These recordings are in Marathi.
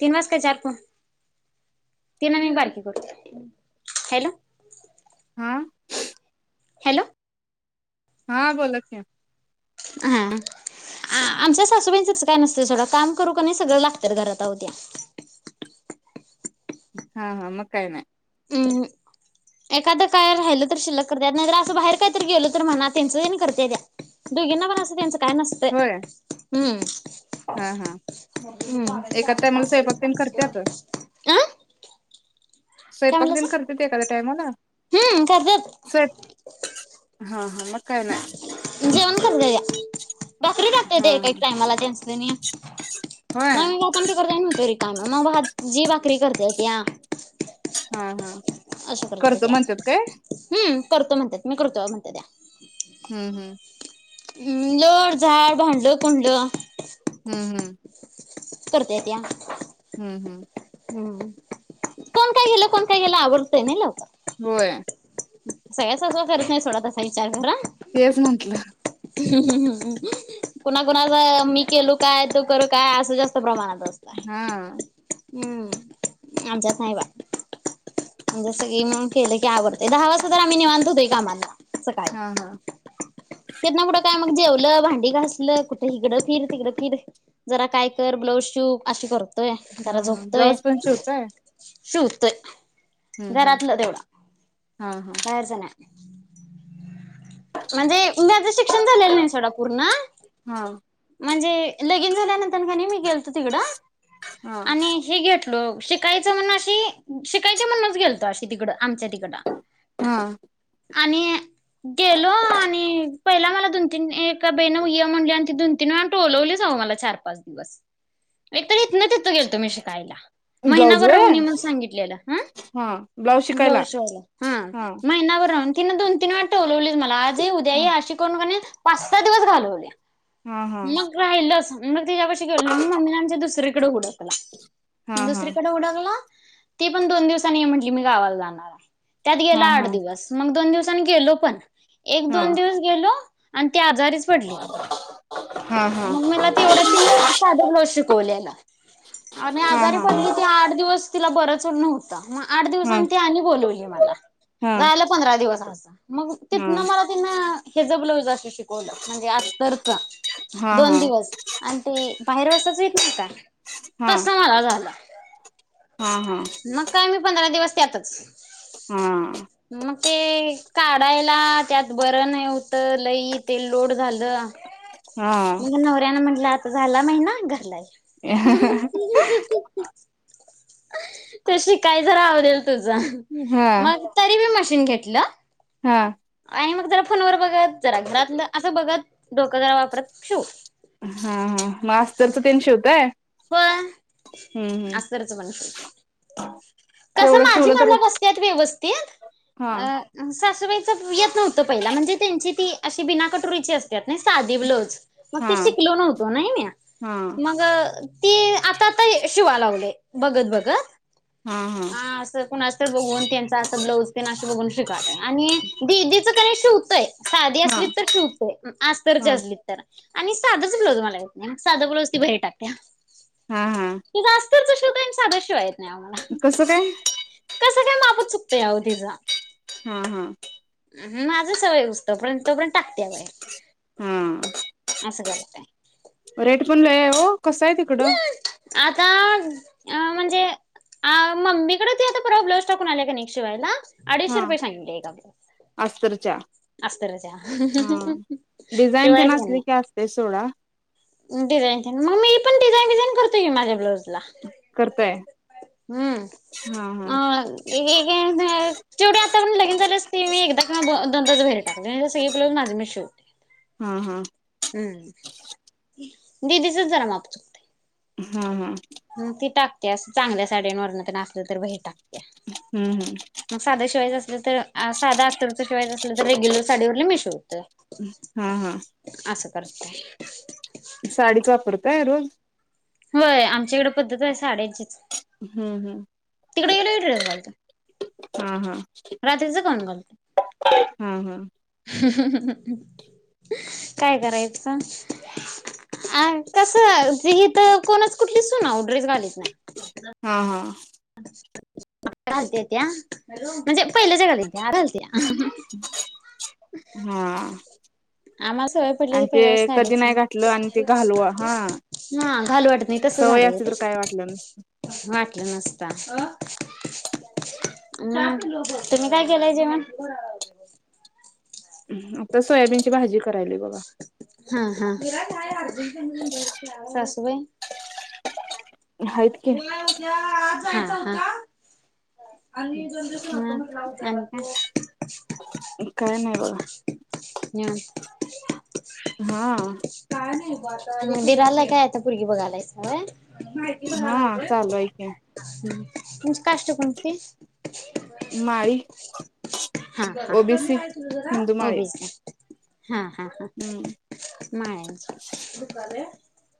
तीन वाजताय चार प तीन म बारकीे करत हॅलो हा हॅलो हा बोला की.. हा आमच्या सासूबाईंच तस काही नसत सोडा काम करू सगळ लागत्यात घरात अहो त्या.. हा हा मग काय नाही हम् एखाद काय राहिल तर शिल्लक करत्यात नाहीतर अस बाहेर काहीतरी गेलो तर म्हणा त्यांच त्यांनी करत्यात दोघींना पण अस त्यांच... काय नसते होय हम्म.. हा हा हम एका टायमाला स्वयंपाक तेन करत्यात आं स्वयंपाक तेन करत्यात एखाद्या टायमाला हम्म करत्यात स्वय हा हा मग काय नाही जेवण करतोया भाकरी टाकतात हा एक एक हा टायमाला त्यास्नी आणि होय आपण त करडे जाय नवतरी भाजी भाकरी करत्या ता हा हा अशा करत्या करतो म्हणत्यात ता काय हम्म करतो म्हणतात मी करतोय म्हणत त्या, हम्म हम्म हम् लोट झाड भांड कुंड हम्म हम्म करत्या त्या हम्म हम्म हम्म कोण काय गेलं कोण काय गेलं आवडतंय नाही लवकर. होय सगळ्या ससवा करत नाही सोडा तसा विचार करा. तेच म्हंटलं! ह कुणा कुणाचा मी केलू काय तू करू काय असं जास्त प्रमाणात. असतंय. हा हम्म आमच्या नाही बा जसं गेम केलं. की आवरतंय दहा वाजता तर आम्ही निवांत होतोय कामातन सकाळी हा हा तिथं पुढं काय मग. मग जेवलं भांडी घासल कुठे हिगडं फिर तिकडं फिर जरा काय कर ब्लाऊज शिव अशी करतो. हा हा ब्लाउज पण शिवताय. शिवतोय. हम्म हम्म घरातलं तेवढ हा हा बाहेरचं नाही. म्हणजे मी आता शिक्षण झालेलं नाही सोडा पूर्ण हा म्हणजे लगीन झाल्यानंतर ख मी गेल तिकड हा आणि हे घे शिकायचं म्हणून अशी शिकायची म्हणूनच गेलतो अशी तिकडं आमच्या तिकड हा आणि गेलो आणि पहिला मला दोन तीन एका बाईन ये म्हणली आणि ती दोन तिन टोलवलीच अहो मला चार पाच दिवस, एकतर इथन तिथं गेलतो मी शिकायला ब्लाऊज महीनाभर व्हय राहुन ये म्हणुन सांगितल्याल अ हा ब्लाऊज शिकायला ब्लाउज शिवायला हा महीनाभर राहुन तिन दोन तिन मला टोलवलीच मला आज ये उद्या हा ये अशी करून कनई पाच सहा दिवस घालवल्. हा हा मग राहिल असन. मग तिच्यापशी गेलो नाही मग मम्मीला आमच्या दुसरीकडे हुडकल. हा हा हा दुसरीकडं हुडकल. ती पण दोन दिवसांनी ये म्हटली मी गावाला जाणार हाय. त्यात गेलं आठ हा दिवस मग दोन दिवस पण गेलो पण एक दोन दिवस गेलो. अण ती आजारीच पडली अहो हा हा मग मला तेवढ ति साध ब्लज शिकवलेला आही हा आजारी हा पडली ती आठ दिवस तिला बरच [unintelligible] मग आठ हा दिवसां त आणि बोलवली मला हा झालं पंधरा दिवसां मग तिथनं मला तिन- हेेजबला उ जा अस शिकवलं म्हणजे अस्तरच हा हा दोन हा दिवस आणि ते बाहेर वसायच येत का हा तस मला झालं हा मग काय मी पंधरा दिवस त्यातच हम्म मग ते काढायला त्यात बरं नाही होत लई ते लोड झालं हा हा मग नवर्या ना म्हटलं आता झाला महिना घरलाय [unintelligible] तशी काय जरा आवडेल त हा मग तरी म घेतलं हा आणि मग जरा फोनवर बघत जरा घरातलं असं बघत डोकं जरा वापरत ठेव हा हा मग अस्तरचं ती शिवताय हो हम्म हम्म असतरच पण कस तेवढं माझी शिवलं तरी मला बसतेत व्यवस्थित हा सासूबाईच येत नव्हतं पहिला म्हणजे त्यांची ती अशी बिना कटोरीची असतात ना साधी ब्लोज मग हा ते शिकलो नव्हतो नाही मी हा मग ती आताता शिवा लावले बघत बघत हा असं कोण अस तर बघून त्यांच असं ब्लाऊज प बघून शिका आणि ददीच कणी हुतंय साधी हा असली तर शिवतेय आ्तरची हा असलीत तर आणि साधंच ब्लाऊज मला येत नाही साधा ब्लाउज ती बहीर टाकत्या हा हा. अस्तर चा शिवतोय आणि साधा शिवता येत नहीं कसं काय? कसं काय मापत चुकतया तिचा हा हा. माझं सवय होहुस पर्यंत तोपर्यंत टाकते हा रेट पण लय हाय हो! कसं आहे तिकडं? आता अ म्हणजे मम्मीकडे आता प्रॉब्लेमस टाकून आले का न शिवायला अडीशे हा रुपये सांगितलय एका अस्तरच्या हा डिझाईन तेन ला असली [inaudible] की असते सोडा [unintelligible] करताय हा हा [unintelligible] [unintelligible] हा हा [unintelligible] दिदीचच जरा माप चुकते हा हा ति टाक चांगल्या साड्यांवरण तर [inaudible] हम्म हम्म मगं साधा शिवायचं असल तर साधा असतरच शिवायच असलं तर रेग्युलर साडीवरला मी शिवतो हा हा असं साडीच वापरताय रोज होय आमच्याकडे पद्धत आहे साड्यांचीच हम्म हम्म. तिकडे गेल ड्रेस घालतो हा हा घालतोय हा हा. काय करायचं अओ कस कोणाच कुठली सुनाव [inaudible] हा हा त्या म्हणजे. [unintelligible] हा. आम्हाला सवय पडली आणि ते पहिल्या कधी साडीच नाही घातलं आणि ते घालवा हा हा घालु वाटत नाही तस सवय झालं हो असते तर काय वाटलं ते वाट नसता तुम्ही काय केलाय जेवण? आता सोयाबीनची भाजी करायली बघा हा हा. तम आहेत की उला उद्या आज आणिस [unintelligible] काय नाही बघा हा मंदिर आला काय आता पोरगी बघालाय चंय हा चालू. हाय की म्हच कष्ट कोणती माळी [unintelligible] हा. हा. ओबीसी हिंदू माळी हॉबीज ह हा हा हम्म माळ्यांची,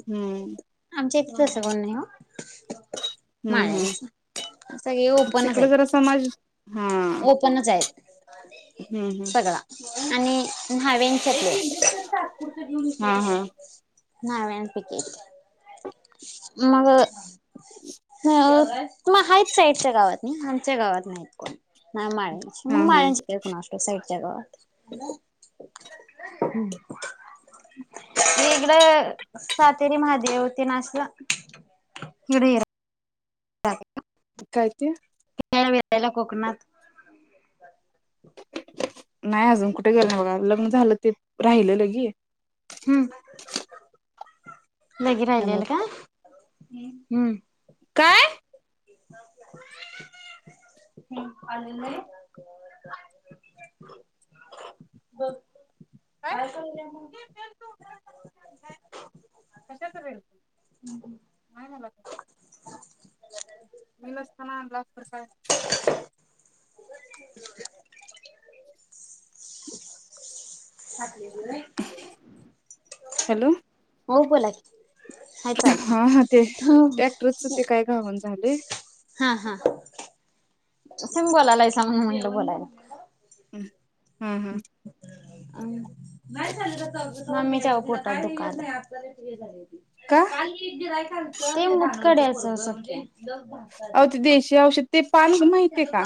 हम्म आमच्या तस कोनी नाही. हम्म हम्म माळ्याचा सगळे ओपनच तिकडे आहेत. जरा समाज हा ओपनच आहेत हम्म हम्म सगळा आणि न्हावेच्यातले कत जन हा हा [unintelligible] ना विन पैकी मग मग हाच साईडच्या गावात नाही, आमच्या गावात नाहीत कोण ना माच मग हा हा म्यांयच तेेकणा अ असो सईड [unintelligible] वेगळं सातेरी महादेव ते नाचता हरीहरा कायती या भेटायला कोकणात नाही अजून कुठे गेलं बघा लग्न झालं ते राहिलं लगी हम्म लगी त्यामुळे राहिलेल का, हम्म काय आले नाही. काय कशाल नाही मला मिलताना आणला तर काय हॅलो, हो बोला की, हाय हा चालू हा ते टॅक्टरच ते काय काय घावनच झाले. हा हा स बोलालाय स म्हणून म्हणलं बोलायला. हम्म हम्म हम्म मम्मीच्याव पोटात दुखायलाय. का काल एक गिराइक आलत. कडे ससके - लक भाता अह ज ते देशी औषध ते पान माहितीय का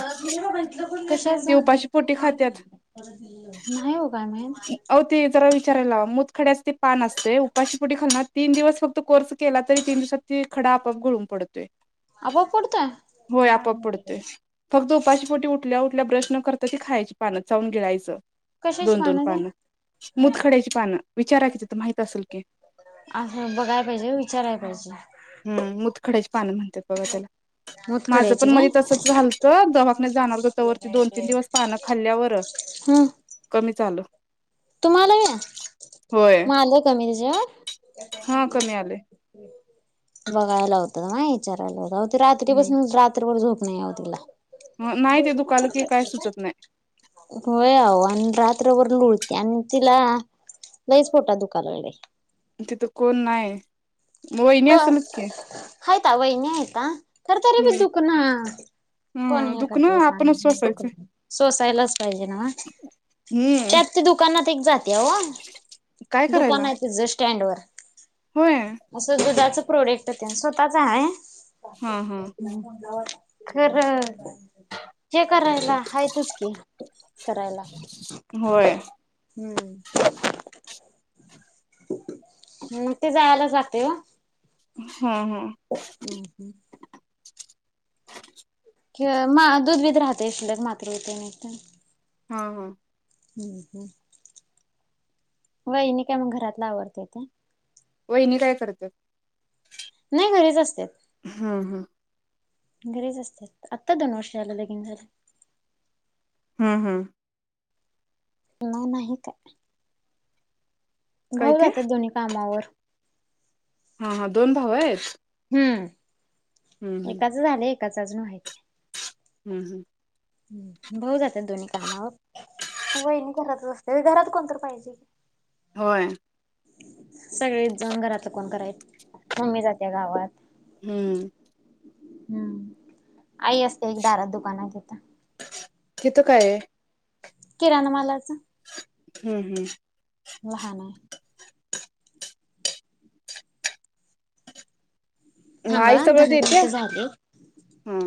ते कशाचं? उपाशी पोटी खात्यात नाही ओ काय अह ते जरा विचारायला लावा माहित मुतखड्याच ते पान असतयं उपाशीपोटी खालणार तीन दिवस फक्त कोर्स केला तरी तीन दिवसात तो खडा आपोआप गळून पडतोय. आपोआप होय आपोआप पडतोय? पडतोय फक्त उपाशी पोटी उठल्या उठल्या ब्रश न करता ती खायची पानं चाऊन गिळायचं कशाची दोन दोन ते पानं मुतखड्याची पानं विचारा कि तिथं माहित असलं की असं बघाय पाहिजे विचाराय पाहिजे हम् मुतखडयाची - - पानं म्हणत्यात बघा त्याला. माझं पण मुतखड्याची काय मधी तसंच झालतं, दवाखान्यात जाणार हुतो तवर दोन तीन दिवस पानं खाल्ल्यावर- कमीच आलं. तुम्हालाई होय म आलय कमी निस यश. हा कमी आले [unintelligible] बघाय लावतो हं. विचारायलावत हम्म रात्रीपासनं रात्रभर झोप ना नाही आओ तिला नाही ते दुखालं की काय सुचत नाही होय आओ आणि रात त्रभर लोळ - - त्या तिला लईच पोटात दुखाय लागलंय तिथं कोण नाही. वहिनी असेलच की हाईता वहिनी हाईता खरं तरी बी हम्म दुखन कोण ह हे करतयं दुखणं आपणच सांगा सोसायचं दुखलं सोसायलाच पाहिजे नव्हं हम्म त्यात ते दुकानात एक जा तिया काय ओ दुकान करायला हाय तिजं शि - - स्टँड वर होय. दुधाच प्रोडक्ट तेण स्वतःच हाय. हा हा [unintelligible] खरं ते करायला हाईतचं कि करायला होय हम्म म ते जायलाच लागतंय ओ हम् हम. हम्म‌्. [inaudible] म दूध बीध राहतंय शिल्लक मात्र होतेय म्हणून. हा, हा. हम्म हम्. वहिणी काय मग घरातलं आवरत्याता वहिणी काय करत्यात नाही घरीच असत्यात हम्म घरीचं असत्यात आत्ता दोन वर्ष झालं लगीन झालं हम्म हम्म नाही नाही काय काय भाऊ ते जातात दोन्ही कामावर हा हा दोन भाऊ आहेत हम्म हम्म हम्म एकाच झाले च अजून व्हायचय हम्म हम्म भाऊ जातात दोन्ही कामा वहिणी घरातच असते घरात कोणतर पाहिजे की होय सगळे जाऊन घरातलं कोण कराय मम्मी जाते गावात हम्म हम्म आई असते एक दारात दुकानात येत तिथं काय आहे किराणामालाचं हम्म हम्म लहान आहे नाही आई थांबा दहा सगळं देते मिनिटं झाले. हा